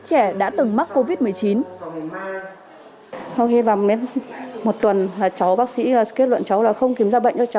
trẻ đã từng mắc covid một mươi chín